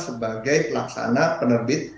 sebagai pelaksana penerbit